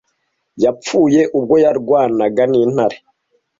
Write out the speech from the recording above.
yapfuye ubwo yarwanaga n'intare